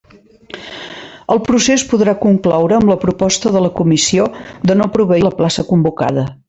El procés podrà concloure amb la proposta de la comissió de no proveir la plaça convocada.